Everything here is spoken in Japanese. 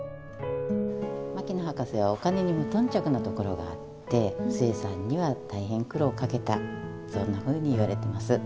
牧野博士はお金に無頓着なところがあって壽衛さんには大変苦労かけたそんなふうに言われてます。